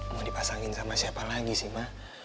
mau dipasangin sama siapa lagi sih mah